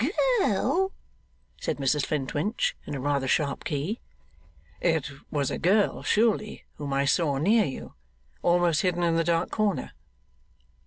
'Girl?' said Mrs Flintwinch in a rather sharp key. 'It was a girl, surely, whom I saw near you almost hidden in the dark corner?